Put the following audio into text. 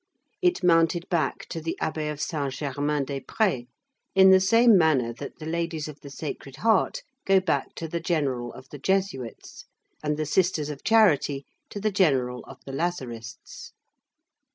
It mounted back to the Abbé of Saint Germain des Prés, in the same manner that the ladies of the Sacred Heart go back to the general of the Jesuits, and the sisters of charity to the general of the Lazarists.